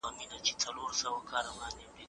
په محاکمو کي باید د ملوک الطوایفي کلتور نه وي.